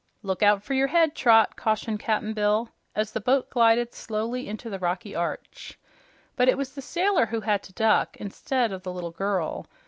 "Look out fer your head, Trot!" cautioned Cap'n Bill as the boat glided slowly into the rocky arch. But it was the sailor who had to duck, instead of the little girl.